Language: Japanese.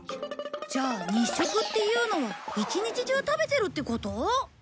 じゃあ日食っていうのは一日中食べてるってこと？